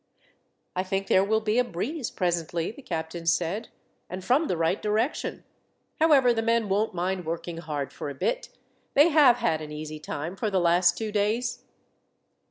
"I think there will be a breeze presently," the captain said, "and from the right direction. However, the men won't mind working hard for a bit. They have had an easy time for the last two days."